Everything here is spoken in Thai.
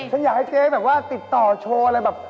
ฉันอยากให้เจ๊แบบว่าติดต่อโชว์อะไรแบบ